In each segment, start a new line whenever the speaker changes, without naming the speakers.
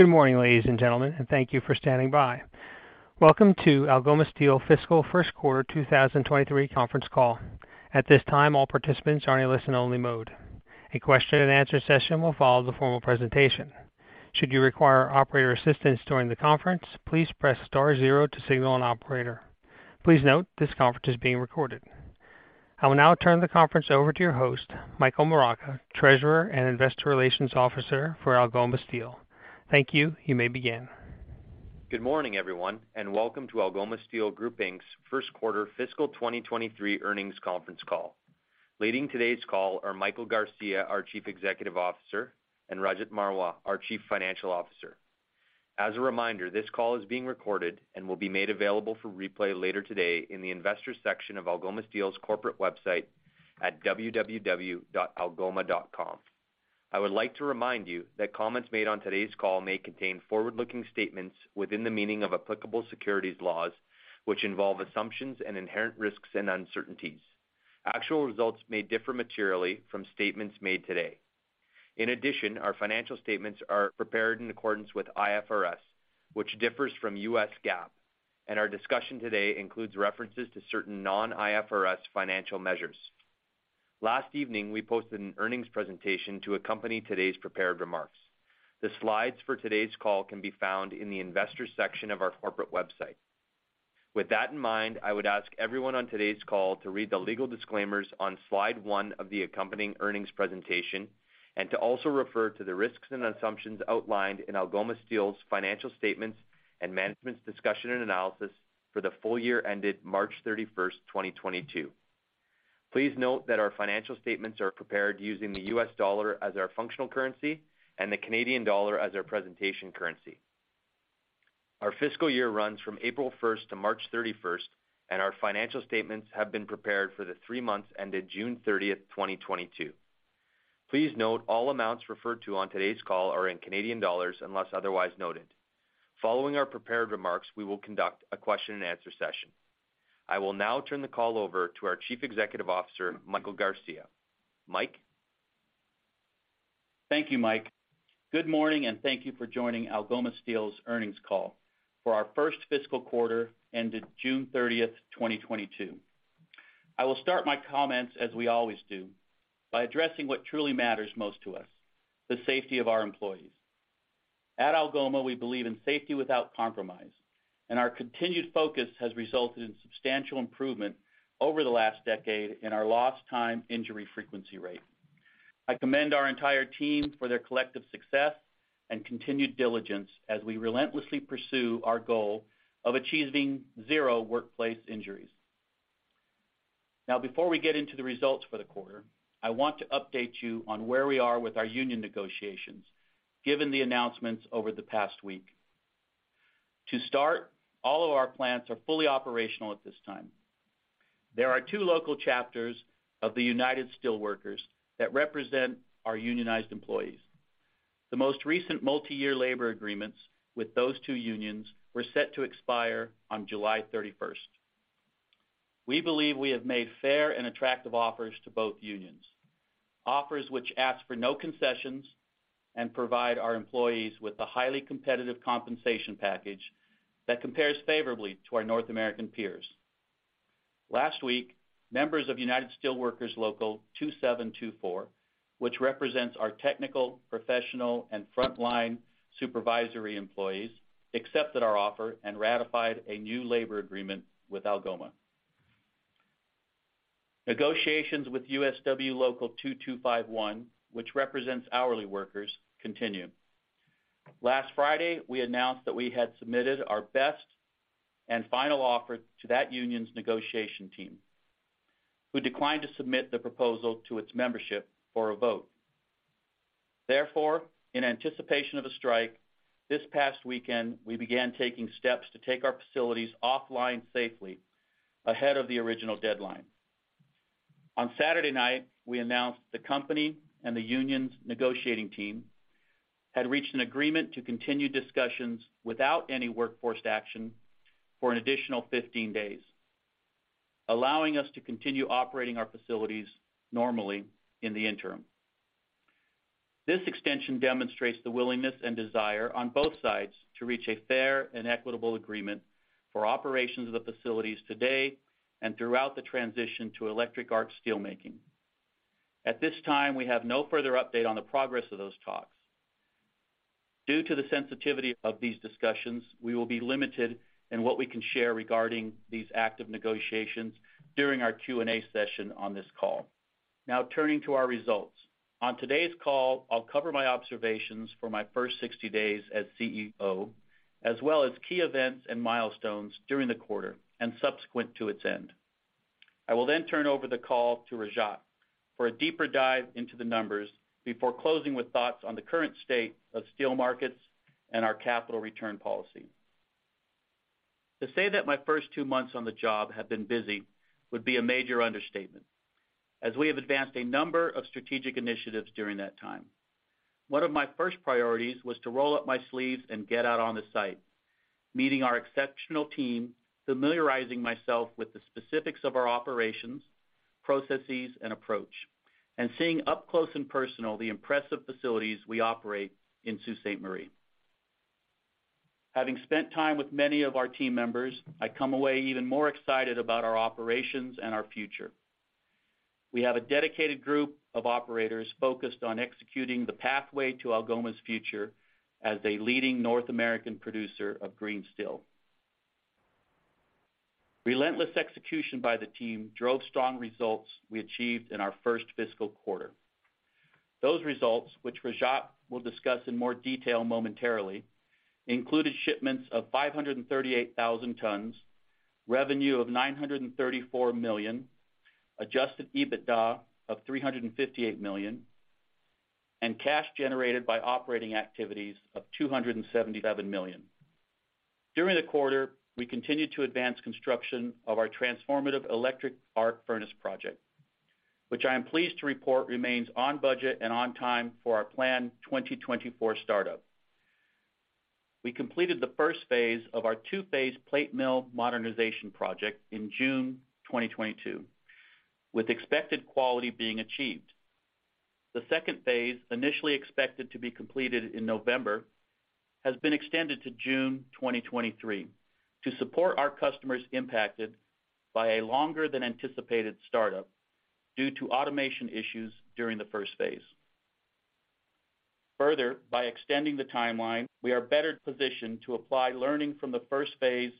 Good morning, ladies and gentlemen, and thank you for standing by. Welcome to Algoma Steel fiscal first quarter 2023 conference call. At this time, all participants are in a listen-only mode. A question-and-answer session will follow the formal presentation. Should you require operator assistance during the conference, please press star zero to signal an operator. Please note this conference is being recorded. I will now turn the conference over to your host, Michael Moraca, Treasurer and Investor Relations Officer for Algoma Steel. Thank you. You may begin.
Good morning, everyone, and welcome to Algoma Steel Group Inc's first quarter fiscal 2023 earnings conference call. Leading today's call are Michael Garcia, our Chief Executive Officer, and Rajat Marwah, our Chief Financial Officer. As a reminder, this call is being recorded and will be made available for replay later today in the Investors section of Algoma Steel's corporate website at www.algoma.com. I would like to remind you that comments made on today's call may contain forward-looking statements within the meaning of applicable securities laws, which involve assumptions and inherent risks and uncertainties. Actual results may differ materially from statements made today. In addition, our financial statements are prepared in accordance with IFRS, which differs from U.S. GAAP, and our discussion today includes references to certain non-IFRS financial measures. Last evening, we posted an earnings presentation to accompany today's prepared remarks. The slides for today's call can be found in the Investors section of our corporate website. With that in mind, I would ask everyone on today's call to read the legal disclaimers on slide one of the accompanying earnings presentations and to also refer to the risks and assumptions outlined in Algoma Steel's financial statements and management's discussion and analysis for the full-year ended March 31st, 2022. Please note that our financial statements are prepared using the U.S. dollar as our functional currency and the Canadian dollar as our presentation currency. Our fiscal year runs from April 1st to March 31st, and our financial statements have been prepared for the three months ended June 30th, 2022. Please note all amounts referred to on today's call are in Canadian dollars, unless otherwise noted. Following our prepared remarks, we will conduct a question-and-answer session. I will now turn the call over to our Chief Executive Officer, Michael Garcia. Mike?
Thank you, Mike. Good morning and thank you for joining Algoma Steel's earnings call for our first fiscal quarter ended June 30th, 2022. I will start my comments as we always do, by addressing what truly matters most to us, the safety of our employees. At Algoma, we believe in safety without compromise, and our continued focus has resulted in substantial improvement over the last decade in our lost time injury frequency rate. I commend our entire team for their collective success and continued diligence as we relentlessly pursue our goal of achieving zero workplace injuries. Now, before we get into the results for the quarter, I want to update you on where we are with our union negotiations, given the announcements over the past week. To start, all of our plants are fully operational at this time. There are two local chapters of the United Steelworkers that represent our unionized employees. The most recent multi-year labor agreements with those two unions were set to expire on July 31st. We believe we have made fair and attractive offers to both unions, offers which ask for no concessions and provide our employees with a highly competitive compensation package that compares favorably to our North American peers. Last week, members of United Steelworkers Local 2724, which represents our technical, professional, and frontline supervisory employees, accepted our offer and ratified a new labor agreement with Algoma. Negotiations with USW Local 2251, which represents hourly workers, continue. Last Friday, we announced that we had submitted our best and final offer to that union's negotiation team, who declined to submit the proposal to its membership for a vote. Therefore, in anticipation of a strike, this past weekend, we began taking steps to take our facilities offline safely ahead of the original deadline. On Saturday night, we announced the company and the union's negotiating team had reached an agreement to continue discussions without any workforce action for an additional 15 days, allowing us to continue operating our facilities normally in the interim. This extension demonstrates the willingness and desire on both sides to reach a fair and equitable agreement for operations of the facilities today and throughout the transition to electric arc steelmaking. At this time, we have no further update on the progress of those talks. Due to the sensitivity of these discussions, we will be limited in what we can share regarding these active negotiations during our Q&A session on this call. Now turning to our results. On today's call, I'll cover my observations for my first 60 days as CEO, as well as key events and milestones during the quarter and subsequent to its end. I will then turn over the call to Rajat for a deeper dive into the numbers before closing with thoughts on the current state of steel markets and our capital return policy. To say that my first two months on the job have been busy would be a major understatement, as we have advanced a number of strategic initiatives during that time. One of my first priorities was to roll up my sleeves and get out on the site. Meeting our exceptional team, familiarizing myself with the specifics of our operations, processes, and approach, and seeing up close and personal the impressive facilities we operate in Sault Ste. Marie. Having spent time with many of our team members, I come away even more excited about our operations and our future. We have a dedicated group of operators focused on executing the pathway to Algoma's future as a leading North American producer of green steel. Relentless execution by the team drove strong results we achieved in our first fiscal quarter. Those results, which Rajat will discuss in more detail momentarily, included shipments of 538,000 tons, revenue of 934 million, adjusted EBITDA of 358 million, and cash generated by operating activities of 277 million. During the quarter, we continued to advance construction of our transformative electric arc furnace project, which I am pleased to report remains on budget and on time for our planned 2024 startup. We completed the first phase of our two-phase plate mill modernization project in June 2022, with expected quality being achieved. The second phase, initially expected to be completed in November, has been extended to June 2023 to support our customers impacted by a longer than anticipated startup due to automation issues during the first phase. Further, by extending the timeline, we are better positioned to apply learning from the first phase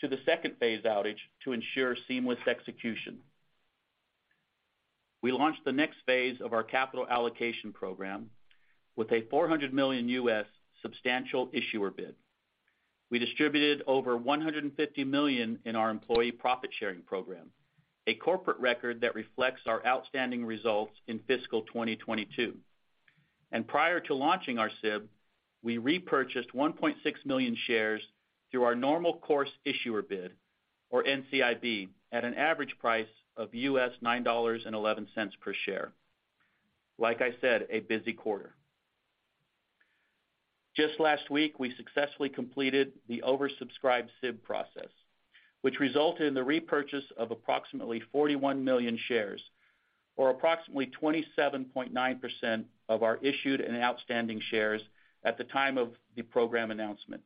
to the second phase outage to ensure seamless execution. We launched the next phase of our capital allocation program with a $400 million substantial issuer bid. We distributed over 150 million in our employee profit-sharing program, a corporate record that reflects our outstanding results in fiscal 2022. Prior to launching our SIB, we repurchased 1.6 million shares through our normal course issuer bid, or NCIB, at an average price of $9.11 per share. Like I said, a busy quarter. Just last week, we successfully completed the oversubscribed SIB process, which resulted in the repurchase of approximately 41 million shares, or approximately 27.9% of our issued and outstanding shares at the time of the program announcement,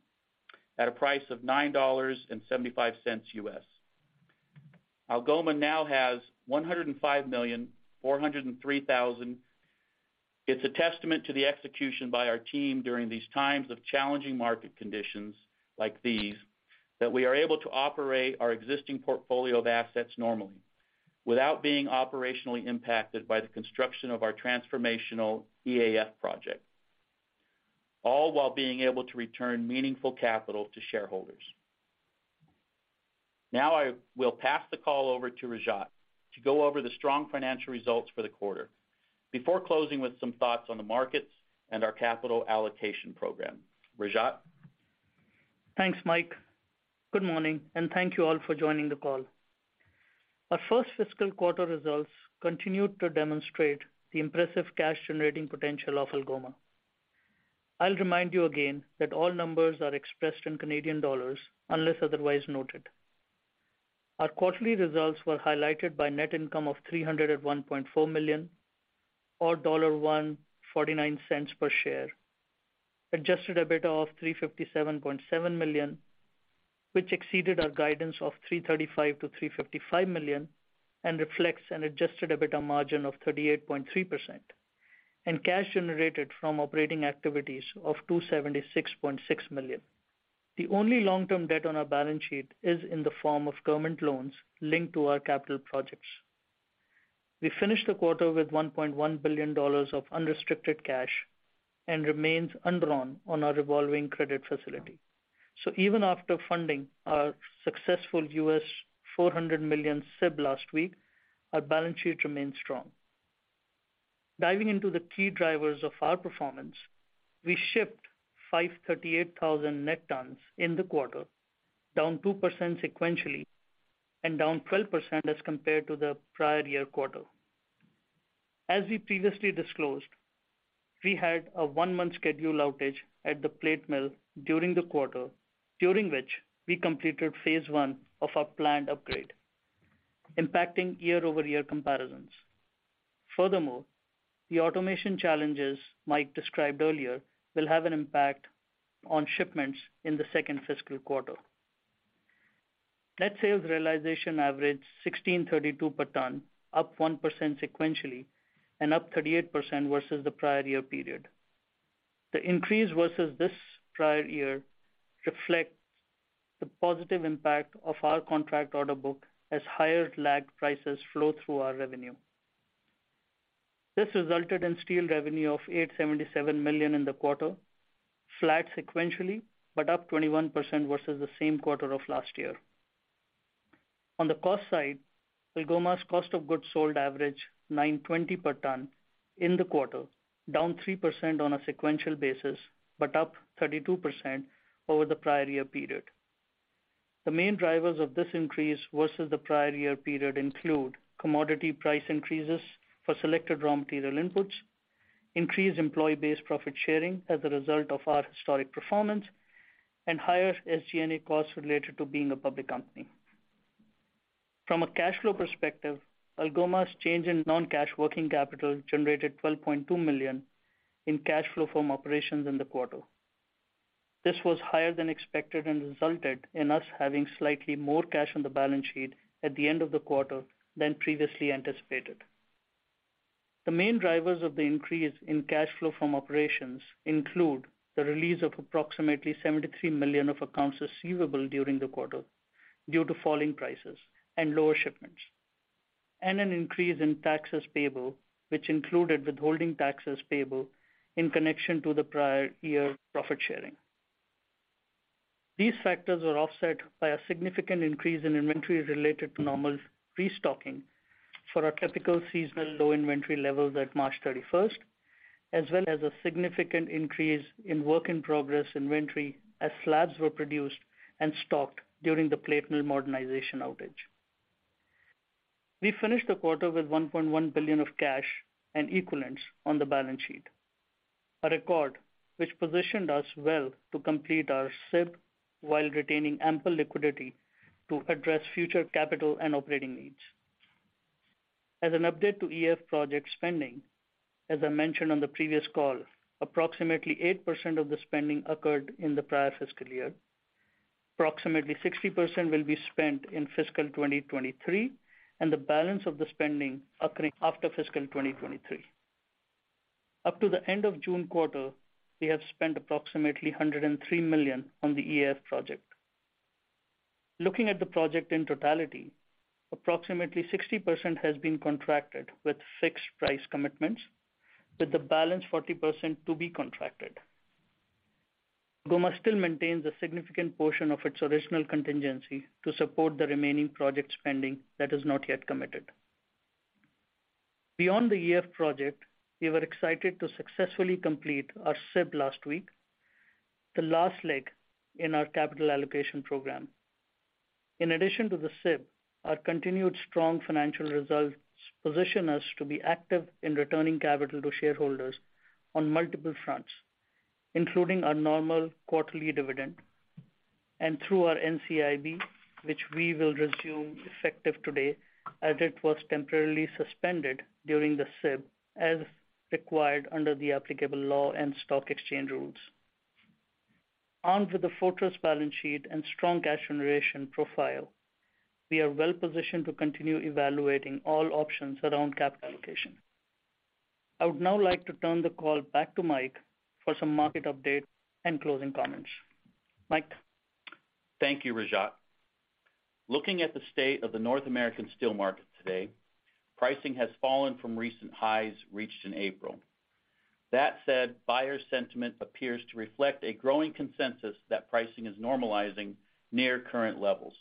at a price of $9.75. Algoma now has 105,403,000. It's a testament to the execution by our team during these times of challenging market conditions like these that we are able to operate our existing portfolio of assets normally without being operationally impacted by the construction of our transformational EAF project, all while being able to return meaningful capital to shareholders. Now, I will pass the call over to Rajat to go over the strong financial results for the quarter before closing with some thoughts on the markets and our capital allocation program. Rajat?
Thanks, Mike. Good morning, and thank you all for joining the call. Our first fiscal quarter results continued to demonstrate the impressive cash-generating potential of Algoma. I'll remind you again that all numbers are expressed in Canadian dollars, unless otherwise noted. Our quarterly results were highlighted by net income of 301.4 million, or dollar 1.49 per share. Adjusted EBITDA of 357.7 million, which exceeded our guidance of 335 million-355 million and reflects an adjusted EBITDA margin of 38.3%, and cash generated from operating activities of 276.6 million. The only long-term debt on our balance sheet is in the form of government loans linked to our capital projects. We finished the quarter with 1.1 billion dollars of unrestricted cash and remains undrawn on our revolving credit facility. Even after funding our successful $400 million SIB last week, our balance sheet remains strong. Diving into the key drivers of our performance, we shipped 538,000 net tons in the quarter, down 2% sequentially and down 12% as compared to the prior year quarter. As we previously disclosed, we had a one-month schedule outage at the plate mill during the quarter, during which we completed phase one of our planned upgrade, impacting year-over-year comparisons. Furthermore, the automation challenges Mike described earlier will have an impact on shipments in the second fiscal quarter. Net sales realization averaged 1,632 per ton, up 1% sequentially and up 38% versus the prior year period. The increase versus this prior year reflects the positive impact of our contract order book as higher lagged prices flow through our revenue. This resulted in steel revenue of 877 million in the quarter, flat sequentially, but up 21% versus the same quarter of last year. On the cost side, Algoma's cost of goods sold averaged 920 per ton in the quarter, down 3% on a sequential basis, but up 32% over the prior year period. The main drivers of this increase versus the prior year period include commodity price increases for selected raw material inputs, increased employee-based profit sharing as a result of our historic performance, and higher SG&A costs related to being a public company. From a cash flow perspective, Algoma's change in non-cash working capital generated 12.2 million in cash flow from operations in the quarter. This was higher than expected and resulted in us having slightly more cash on the balance sheet at the end of the quarter than previously anticipated. The main drivers of the increase in cash flow from operations include the release of approximately 73 million of accounts receivable during the quarter due to falling prices and lower shipments, and an increase in taxes payable, which included withholding taxes payable in connection to the prior year profit sharing. These factors were offset by a significant increase in inventory related to normal restocking for our typical seasonal low inventory levels at March 31st, as well as a significant increase in work-in-progress inventory as slabs were produced and stocked during the plate mill modernization outage. We finished the quarter with 1.1 billion of cash and equivalents on the balance sheet, a record which positioned us well to complete our SIB while retaining ample liquidity to address future capital and operating needs. As an update to EAF project spending, as I mentioned on the previous call, approximately 8% of the spending occurred in the prior fiscal year. Approximately 60% will be spent in fiscal 2023, and the balance of the spending occurring after fiscal 2023. Up to the end of June quarter, we have spent approximately 103 million on the EAF project. Looking at the project in totality, approximately 60% has been contracted with fixed price commitments, with the balance 40% to be contracted. Algoma still maintains a significant portion of its original contingency to support the remaining project spending that is not yet committed. Beyond the EAF project, we were excited to successfully complete our SIB last week, the last leg in our capital allocation program. In addition to the SIB, our continued strong financial results position us to be active in returning capital to shareholders on multiple fronts, including our normal quarterly dividend and through our NCIB, which we will resume effective today, as it was temporarily suspended during the SIB, as required under the applicable law and stock exchange rules. Armed with a fortress balance sheet and strong cash generation profile, we are well-positioned to continue evaluating all options around capital allocation. I would now like to turn the call back to Mike for some market update and closing comments. Mike?
Thank you, Rajat. Looking at the state of the North American steel market today, pricing has fallen from recent highs reached in April. That said, buyer sentiment appears to reflect a growing consensus that pricing is normalizing near current levels.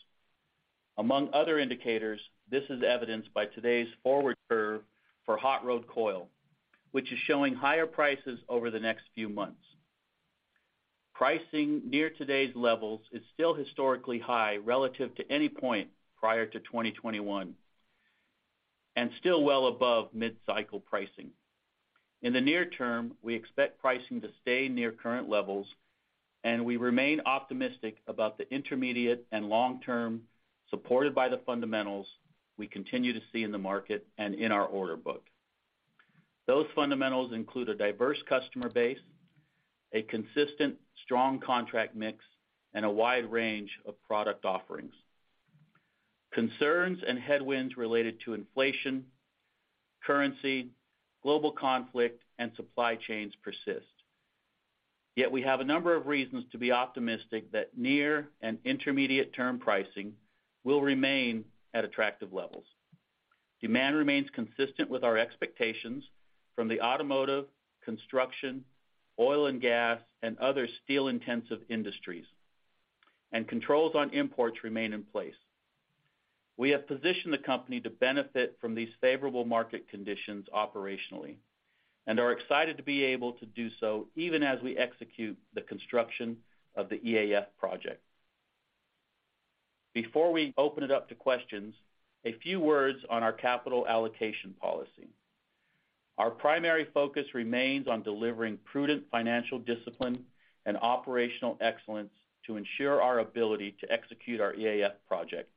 Among other indicators, this is evidenced by today's forward curve for hot rolled coil, which is showing higher prices over the next few months. Pricing near today's levels is still historically high relative to any point prior to 2021, and still well above mid-cycle pricing. In the near term, we expect pricing to stay near current levels, and we remain optimistic about the intermediate and long term supported by the fundamentals we continue to see in the market and in our order book. Those fundamentals include a diverse customer base, a consistent strong contract mix, and a wide range of product offerings. Concerns and headwinds related to inflation, currency, global conflict, and supply chains persist. Yet we have a number of reasons to be optimistic that near and intermediate term pricing will remain at attractive levels. Demand remains consistent with our expectations from the automotive, construction, oil and gas, and other steel-intensive industries, and controls on imports remain in place. We have positioned the company to benefit from these favorable market conditions operationally and are excited to be able to do so even as we execute the construction of the EAF project. Before we open it up to questions, a few words on our capital allocation policy. Our primary focus remains on delivering prudent financial discipline and operational excellence to ensure our ability to execute our EAF project,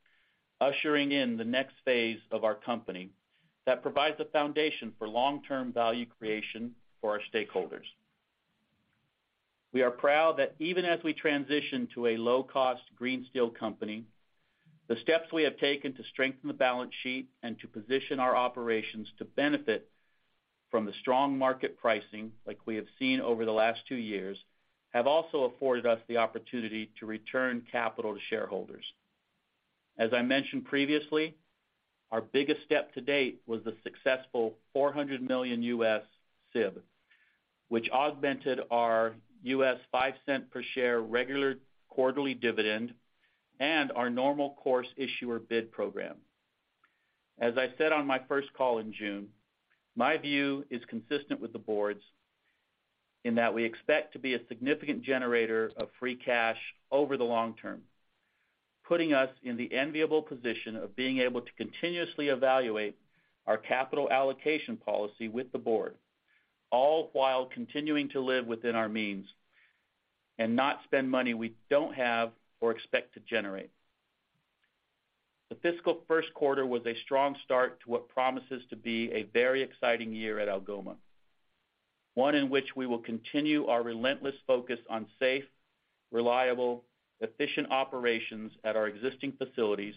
ushering in the next phase of our company that provides the foundation for long-term value creation for our stakeholders. We are proud that even as we transition to a low-cost green steel company, the steps we have taken to strengthen the balance sheet and to position our operations to benefit from the strong market pricing like we have seen over the last two years, have also afforded us the opportunity to return capital to shareholders. As I mentioned previously, our biggest step to date was the successful $400 million SIB, which augmented our $0.05 per share regular quarterly dividend and our normal course issuer bid program. I said on my first call in June, my view is consistent with the board's in that we expect to be a significant generator of free cash over the long term, putting us in the enviable position of being able to continuously evaluate our capital allocation policy with the board, all while continuing to live within our means and not spend money we don't have or expect to generate. The fiscal first quarter was a strong start to what promises to be a very exciting year at Algoma, one in which we will continue our relentless focus on safe, reliable, efficient operations at our existing facilities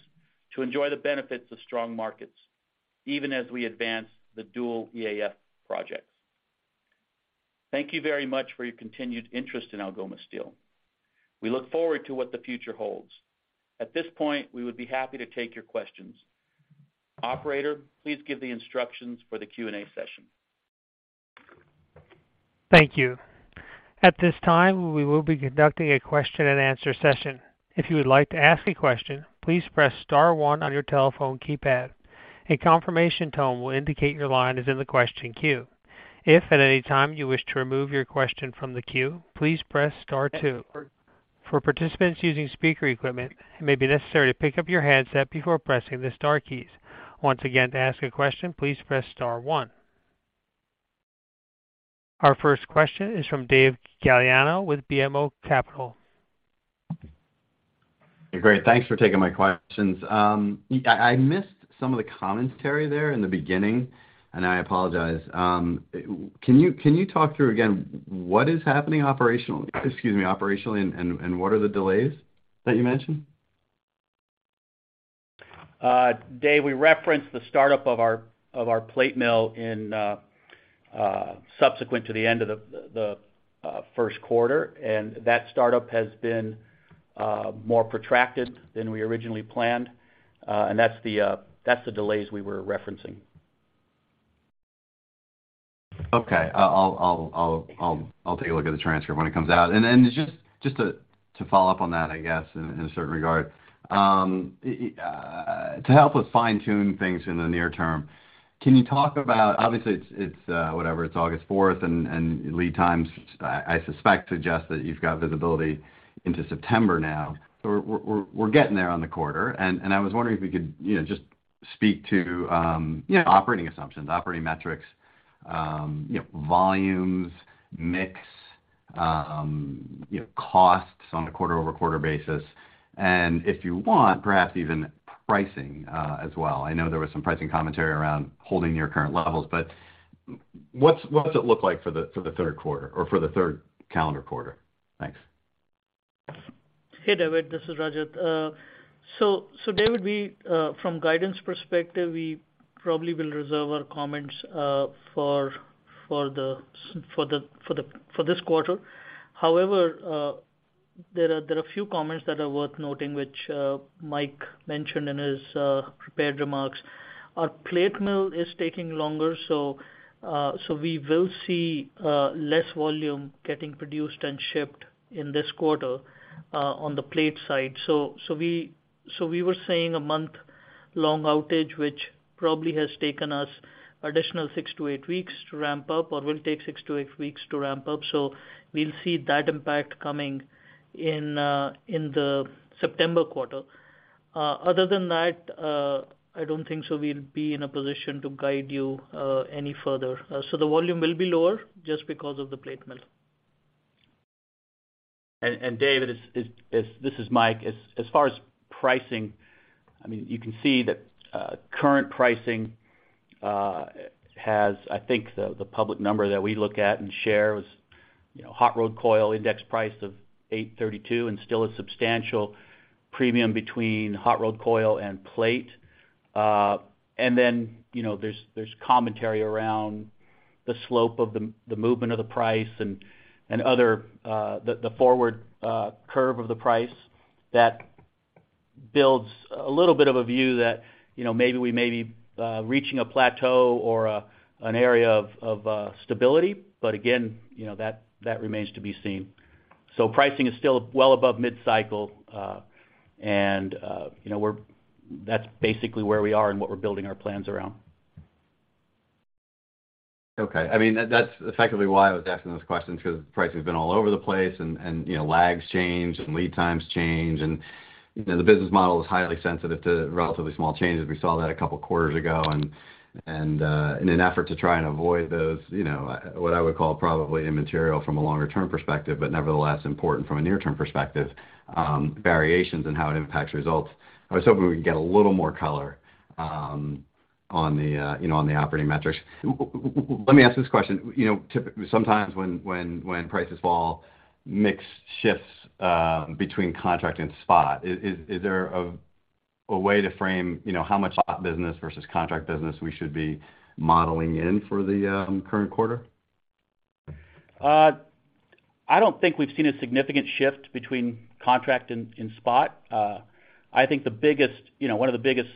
to enjoy the benefits of strong markets even as we advance the dual EAF projects. Thank you very much for your continued interest in Algoma Steel. We look forward to what the future holds. At this point, we would be happy to take your questions. Operator, please give the instructions for the Q&A session.
Thank you. At this time, we will be conducting a question-and-answer session. If you would like to ask a question, please press star one on your telephone keypad. A confirmation tone will indicate your line is in the question queue. If at any time you wish to remove your question from the queue, please press star two. For participants using speaker equipment, it may be necessary to pick up your handset before pressing the star keys. Once again, to ask a question, please press star one. Our first question is from David Gagliano with BMO Capital.
Great. Thanks for taking my questions. I missed some of the commentary there in the beginning, and I apologize. Can you talk through again what is happening operationally, excuse me, operationally and what are the delays that you mentioned?
Dave, we referenced the startup of our plate mill subsequent to the end of the first quarter, and that startup has been more protracted than we originally planned. That's the delays we were referencing.
Okay. I'll take a look at the transcript when it comes out. Just to follow up on that, I guess, in a certain regard. To help us fine-tune things in the near term, can you talk about obviously it's whatever, it's August 4th, and lead times, I suspect, suggest that you've got visibility into September now. We're getting there on the quarter, and I was wondering if you could, you know, just speak to, you know, operating assumptions, operating metrics, you know, volumes, mix, you know, costs on a quarter-over-quarter basis. If you want, perhaps even pricing, as well. I know there was some pricing commentary around holding your current levels, but what does it look like for the third quarter or for the third calendar quarter? Thanks.
Hey, David, this is Rajat. David, we from guidance perspective probably will reserve our comments for this quarter. However, there are a few comments that are worth noting, which Mike mentioned in his prepared remarks. Our plate mill is taking longer, we will see less volume getting produced and shipped in this quarter on the plate side. We were saying a month-long outage, which probably has taken us additional six to eight weeks to ramp up or will take six to eight weeks to ramp up. We'll see that impact coming in in the September quarter. Other than that, I don't think we'll be in a position to guide you any further. The volume will be lower just because of the plate mill.
David, this is Mike. As far as pricing, I mean, you can see that current pricing has. I think the public number that we look at and share was, you know, hot-rolled coil index price of $832, and still a substantial premium between hot-rolled coil and plate. You know, there's commentary around the slope of the movement of the price and other the forward curve of the price that builds a little bit of a view that, you know, maybe we may be reaching a plateau or an area of stability. Again, you know, that remains to be seen. Pricing is still well above mid-cycle. You know, that's basically where we are and what we're building our plans around.
Okay. I mean, that's effectively why I was asking those questions, because prices have been all over the place and, you know, lags change and lead times change. You know, the business model is highly sensitive to relatively small changes. We saw that a couple of quarters ago. In an effort to try and avoid those, you know, what I would call probably immaterial from a longer-term perspective, but nevertheless important from a near-term perspective, variations in how it impacts results. I was hoping we could get a little more color on the, you know, on the operating metrics. Let me ask this question. You know, sometimes when prices fall, mix shifts between contract and spot. Is there a way to frame, you know, how much spot business versus contract business we should be modeling in for the current quarter?
I don't think we've seen a significant shift between contract and spot. I think the biggest, you know, one of the biggest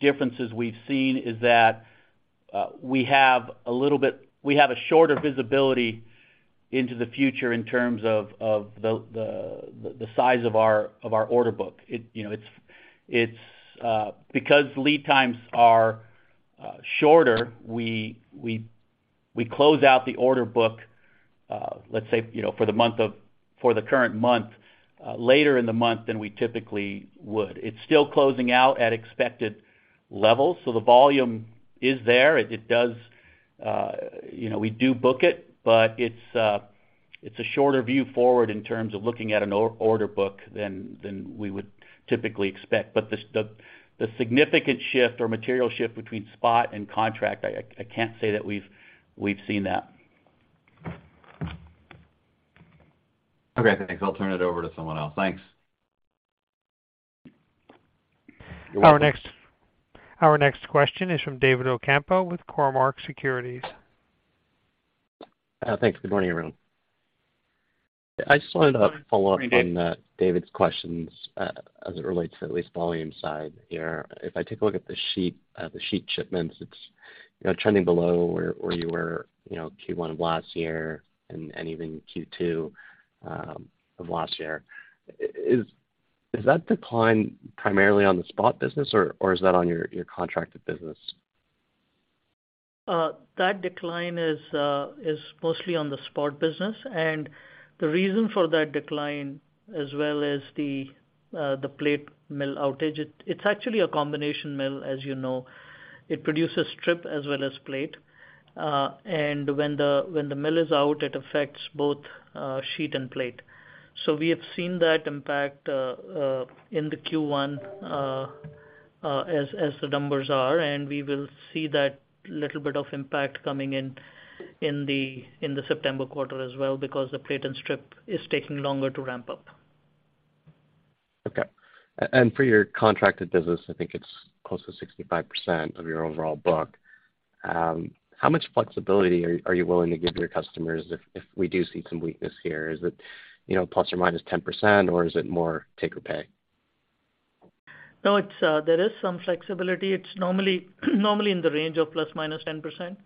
differences we've seen is that we have a shorter visibility into the future in terms of the size of our order book. You know, it's because lead times are shorter, we close out the order book, let's say, you know, for the current month later in the month than we typically would. It's still closing out at expected levels, so the volume is there. You know, we do book it, but it's a shorter view forward in terms of looking at an order book than we would typically expect. The significant shift or material shift between spot and contract, I can't say that we've seen that.
Okay, thanks. I'll turn it over to someone else. Thanks.
You're welcome.
Our next question is from David Ocampo with Cormark Securities.
Thanks. Good morning, everyone. I just wanted to follow up.
Good morning, David.
On David's questions as it relates to the volume side here. If I take a look at the sheet, the sheet shipments, it's you know trending below where you were you know Q1 of last year and even Q2 of last year. Is that decline primarily on the spot business or is that on your contracted business?
That decline is mostly on the spot business. The reason for that decline, as well as the plate mill outage, it's actually a combination mill, as you know. It produces strip as well as plate. When the mill is out, it affects both sheet and plate. We have seen that impact in the Q1 as the numbers are, and we will see that little bit of impact coming in the September quarter as well, because the plate and strip is taking longer to ramp up.
For your contracted business, I think it's close to 65% of your overall book. How much flexibility are you willing to give your customers if we do see some weakness here? Is it, you know, ±10% or is it more take or pay?
No, it's there is some flexibility. It's normally in the range of ±10%.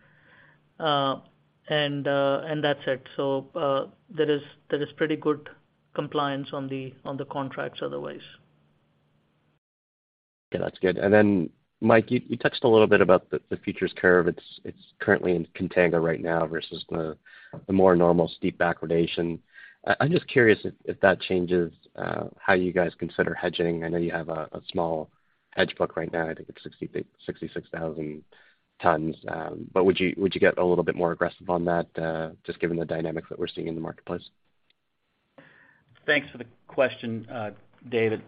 And that's it. There is pretty good compliance on the contracts otherwise.
Okay, that's good. Mike, you touched a little bit about the futures curve. It's currently in contango right now versus the more normal steep backwardation. I'm just curious if that changes how you guys consider hedging. I know you have a small hedge book right now. I think it's 66,000 tons. Would you get a little bit more aggressive on that just given the dynamics that we're seeing in the marketplace?
Thanks for the question, David.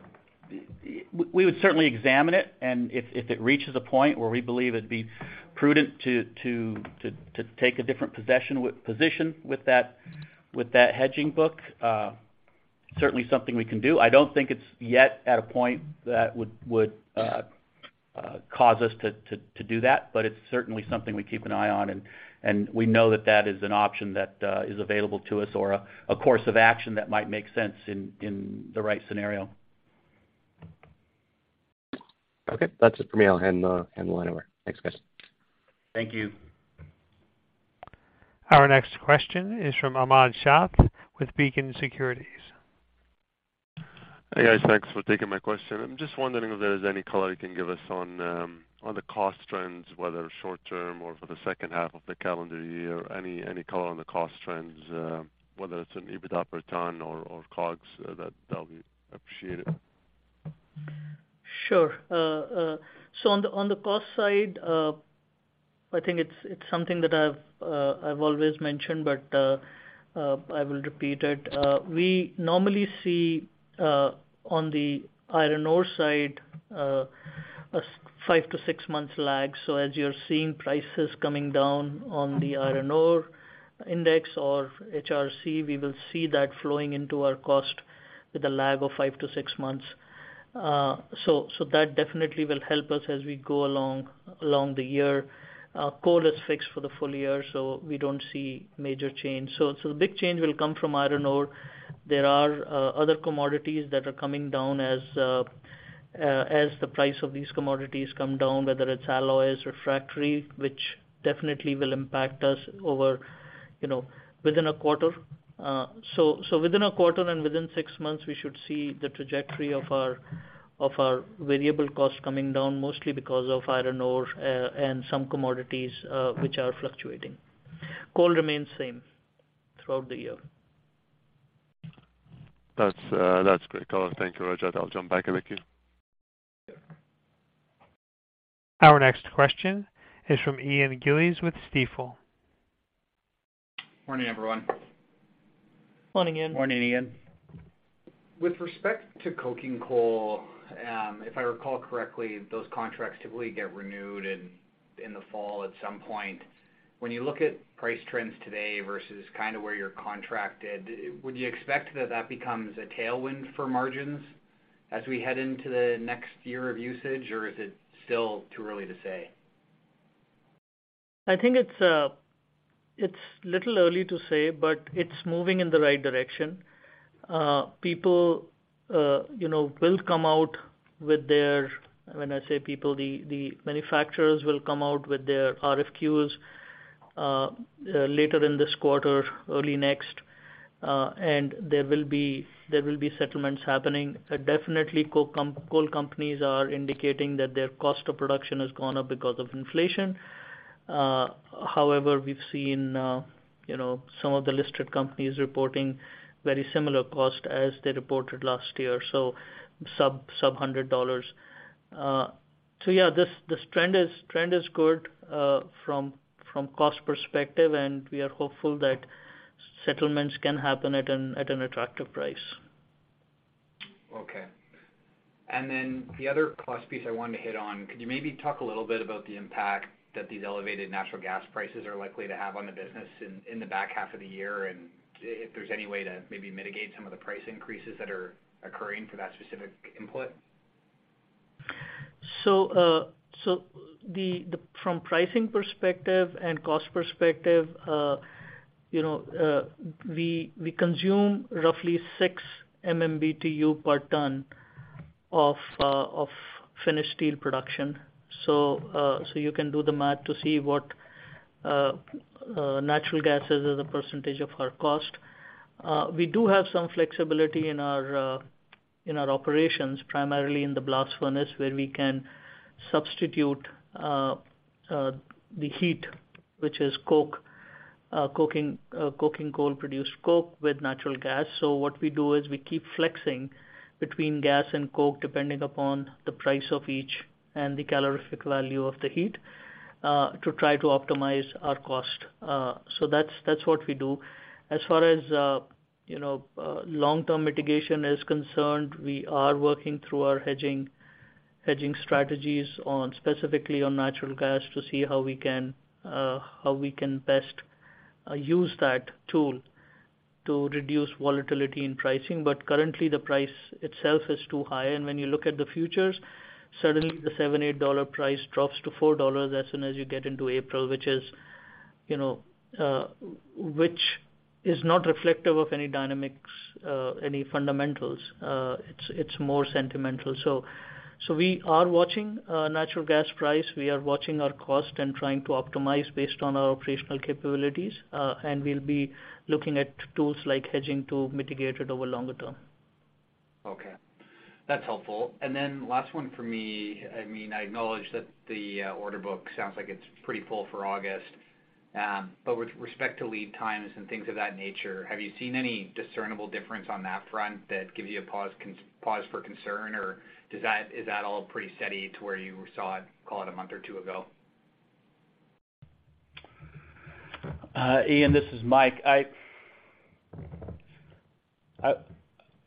We would certainly examine it, and if it reaches a point where we believe it'd be prudent to take a different position with that hedging book, certainly something we can do. I don't think it's yet at a point that would cause us to do that, but it's certainly something we keep an eye on, and we know that that is an option that is available to us or a course of action that might make sense in the right scenario.
Okay. That's it for me. I'll hand the line over. Thanks, guys.
Thank you.
Our next question is from Ahmad Shah with Beacon Securities.
Hey, guys. Thanks for taking my question. I'm just wondering if there is any color you can give us on the cost trends, whether short term or for the second half of the calendar year. Any color on the cost trends, whether it's in EBIT per ton or COGS, that'll be appreciated.
Sure. On the cost side, I think it's something that I've always mentioned, but I will repeat it. We normally see on the iron ore side a five- to six-month lag. As you're seeing prices coming down on the iron ore index or HRC, we will see that flowing into our cost with a lag of five to six months. That definitely will help us as we go along the year. Coal is fixed for the full-year, so we don't see major change. The big change will come from iron ore. There are other commodities that are coming down as the price of these commodities come down, whether it's alloys, refractory, which definitely will impact us over, you know, within a quarter. Within a quarter and within six months, we should see the trajectory of our variable costs coming down, mostly because of iron ore and some commodities which are fluctuating. Coal remains same throughout the year.
That's great color. Thank you, Rajat. I'll jump back with you.
Sure.
Our next question is from Ian Gillies with Stifel.
Morning, everyone.
Morning, Ian.
Morning, Ian.
With respect to coking coal, if I recall correctly, those contracts typically get renewed in the fall at some point. When you look at price trends today versus kind of where you're contracted, would you expect that becomes a tailwind for margins as we head into the next year of usage, or is it still too early to say?
It's a little early to say, but it's moving in the right direction. People, you know, will come out with their. When I say people, the manufacturers will come out with their RFQs, later in this quarter, early next, and there will be settlements happening. Definitely coal companies are indicating that their cost of production has gone up because of inflation. However, we've seen, you know, some of the listed companies reporting very similar cost as they reported last year, so sub-$100. So yeah, this trend is good, from cost perspective, and we are hopeful that settlements can happen at an attractive price.
Okay. Then the other cost piece I wanted to hit on, could you maybe talk a little bit about the impact that these elevated natural gas prices are likely to have on the business in the back half of the year and if there's any way to maybe mitigate some of the price increases that are occurring for that specific input?
From pricing perspective and cost perspective, you know, we consume roughly 6 MMBtu per ton of finished steel production. You can do the math to see what natural gas is as a percentage of our cost. We do have some flexibility in our operations, primarily in the blast furnace, where we can substitute the heat, which is coke, coking coal-produced coke with natural gas. What we do is we keep flexing between gas and coke, depending upon the price of each and the calorific value of the heat to try to optimize our cost. That's what we do. As far as long-term mitigation is concerned, we are working through our hedging strategies, specifically on natural gas to see how we can best use that tool to reduce volatility in pricing. Currently the price itself is too high. When you look at the futures, suddenly the $7-$8 price drops to $4 as soon as you get into April, which is not reflective of any dynamics, any fundamentals. It's more sentimental. We are watching natural gas price. We are watching our cost and trying to optimize based on our operational capabilities. We'll be looking at tools like hedging to mitigate it over longer term.
Okay. That's helpful. Last one for me. I mean, I acknowledge that the order book sounds like it's pretty full for August. With respect to lead times and things of that nature, have you seen any discernible difference on that front that gives you a pause for concern, or is that all pretty steady to where you saw it, call it a month or two ago?
Ian, this is Mike.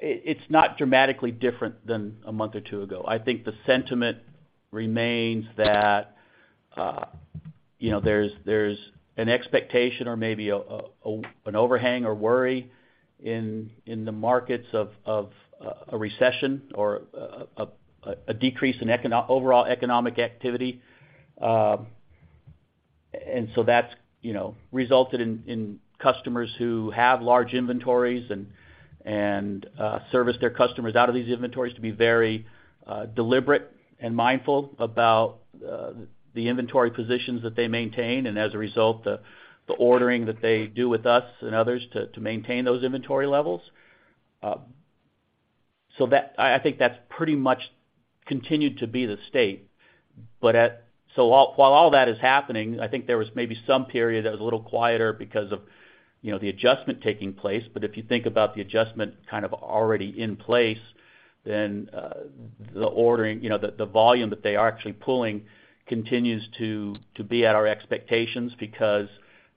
It's not dramatically different than a month or two ago. I think the sentiment remains that, you know, there's an expectation or maybe an overhang or worry in the markets of a recession or a decrease in overall economic activity. That's resulted in customers who have large inventories and service their customers out of these inventories to be very deliberate and mindful about the inventory positions that they maintain and as a result, the ordering that they do with us and others to maintain those inventory levels. I think that's pretty much continued to be the state. While all that is happening, I think there was maybe some period that was a little quieter because of, you know, the adjustment taking place. If you think about the adjustment kind of already in place, then the ordering, you know, the volume that they are actually pulling continues to be at our expectations because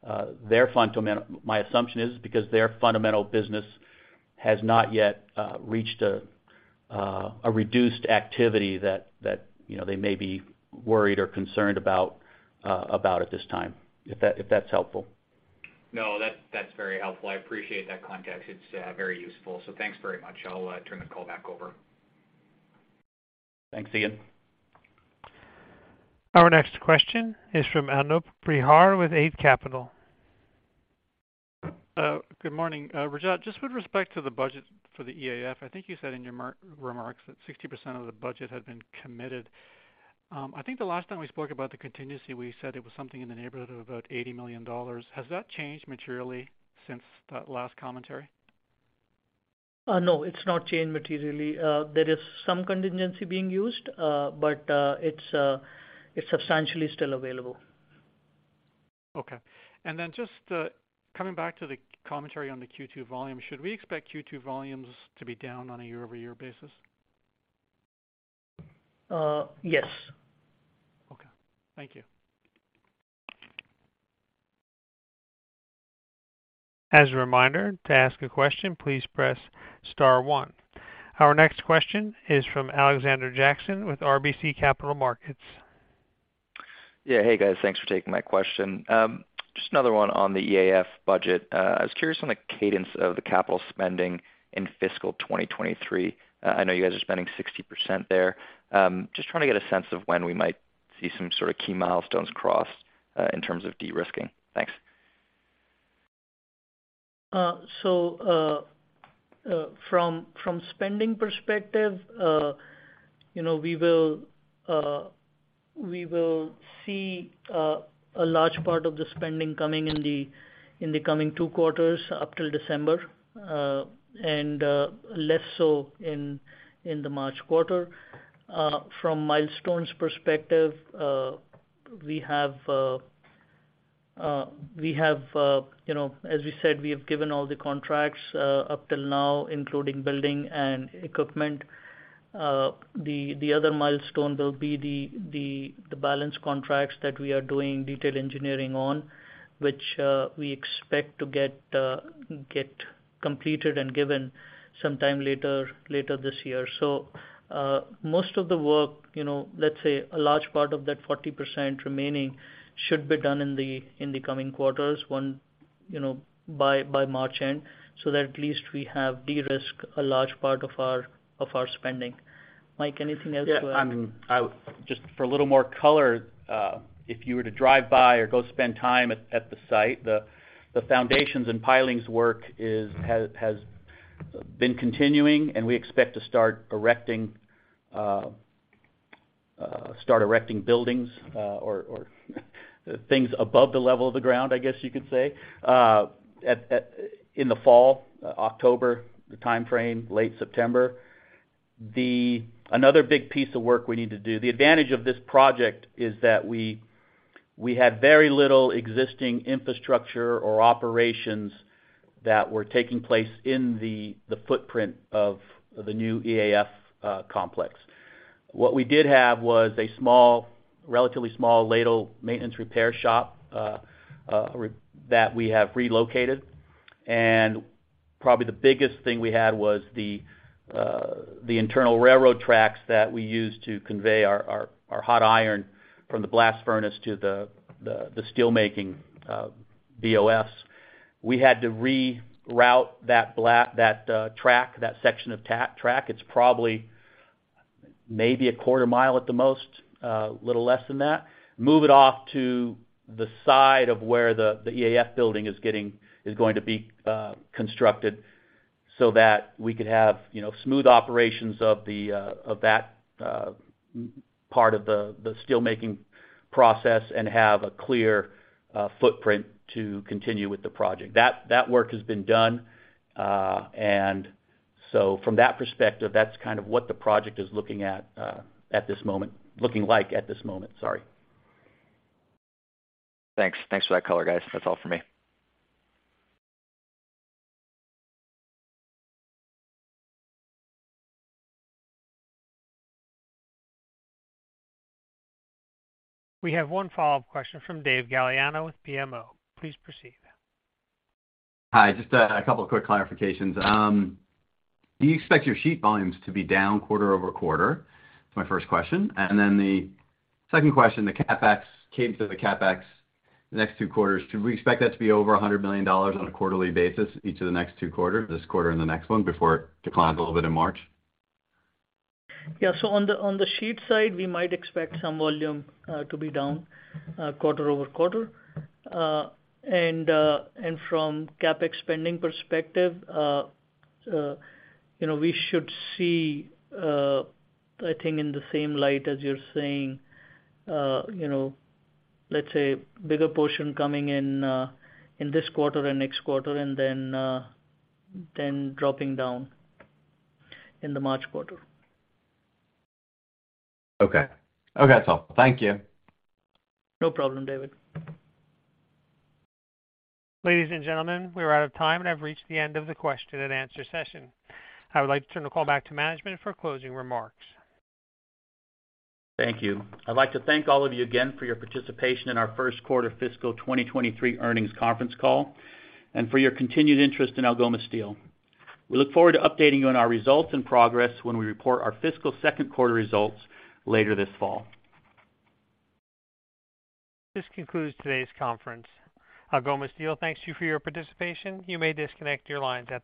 my assumption is because their fundamental business has not yet reached a reduced activity that, you know, they may be worried or concerned about at this time, if that's helpful.
No, that's very helpful. I appreciate that context. It's very useful. So, thanks very much. I'll turn the call back over.
Thanks, Ian.
Our next question is from Anoop Prihar with Eight Capital.
Good morning. Rajat, just with respect to the budget for the EAF, I think you said in your remarks that 60% of the budget had been committed. I think the last time we spoke about the contingency, we said it was something in the neighborhood of about 80 million dollars. Has that changed materially since that last commentary?
No, it's not changed materially. There is some contingency being used, but it's substantially still available.
Okay. Just coming back to the commentary on the Q2 volume, should we expect Q2 volumes to be down on a year-over-year basis?
Yes.
Okay. Thank you.
As a reminder, to ask a question, please press star one. Our next question is from Alexander Jackson with RBC Capital Markets.
Yeah. Hey, guys. Thanks for taking my question. Just another one on the EAF budget. I was curious on the cadence of the capital spending in fiscal 2023. I know you guys are spending 60% there. Just trying to get a sense of when we might see some sort of key milestones crossed, in terms of de-risking. Thanks.
From spending perspective, you know, we will see a large part of the spending coming in the coming two quarters up till December, and less so in the March quarter. From milestones perspective, you know, as we said, we have given all the contracts up till now, including building and equipment. The other milestone will be the balance contracts that we are doing detailed engineering on, which we expect to get completed and given sometime later this year. Most of the work, you know, let's say a large part of that 40% remaining should be done in the coming quarters, one, you know, by March end, so that at least we have de-risk a large part of our spending. Mike, anything else you want-
Yeah, just for a little more color, if you were to drive by or go spend time at the site, the foundations and pilings work has been continuing, and we expect to start erecting buildings, or things above the level of the ground, I guess you could say, in the fall, October timeframe, late September. Another big piece of work we need to do, the advantage of this project is that we had very little existing infrastructure or operations that were taking place in the footprint of the new EAF complex. What we did have was a small, relatively small ladle maintenance repair shop that we have relocated. Probably the biggest thing we had was the internal railroad tracks that we use to convey our hot iron from the blast furnace to the steel making BOS. We had to reroute that track, that section of track. It's probably maybe a quarter mile at the most, little less than that. Move it off to the side of where the EAF building is going to be constructed so that we could have, you know, smooth operations of that part of the steelmaking process and have a clear footprint to continue with the project. That work has been done. From that perspective, that's kind of what the project is looking like at this moment.
Thanks. Thanks for that color, guys. That's all for me.
We have one follow-up question from David Gagliano with BMO. Please proceed.
Hi. Just a couple of quick clarifications. Do you expect your steel volumes to be down quarter-over-quarter? That's my first question. The second question, the CapEx for the next two quarters, should we expect that to be over 100 million dollars on a quarterly basis each of the next two quarters, this quarter and the next one before it declines a little bit in March?
Yeah. On the sheet side, we might expect some volume to be down quarter-over-quarter. From CapEx spending perspective, you know, we should see, I think in the same light as you're saying, you know, let's say bigger portion coming in this quarter and next quarter and then dropping down in the March quarter.
Okay. Okay, that's all. Thank you.
No problem, David.
Ladies and gentlemen, we're out of time, and I've reached the end of the question-and-answer session. I would like to turn the call back to management for closing remarks.
Thank you. I'd like to thank all of you again for your participation in our first quarter fiscal 2023 earnings conference call and for your continued interest in Algoma Steel. We look forward to updating you on our results and progress when we report our fiscal second quarter results later this fall.
This concludes today's conference. Algoma Steel thanks you for your participation. You may disconnect your lines at this time.